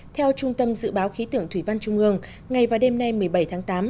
theo trung tâm dự báo khí tượng thủy văn trung ương ngày và đêm nay một mươi bảy tháng tám